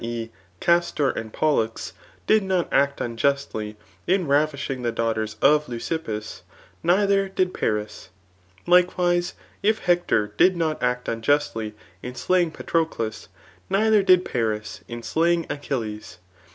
e« Castor and Pollux] did not act unjustly [in ravishing the daughters of Leucippus,] neither did Paris. Likewise if Hector did not act un« justly in slaying Patroclus, neither did FsLth in slaying Achilles.